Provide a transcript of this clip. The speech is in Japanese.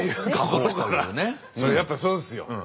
やっぱそうですよ。